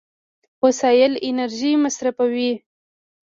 وسایل انرژي مصرفوي.